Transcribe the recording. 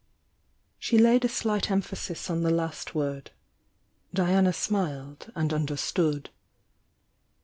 She laid a slight emphasis on the last word. Di ana smiled and understood.